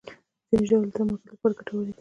ځینې ژاولې د تمرکز لپاره ګټورې دي.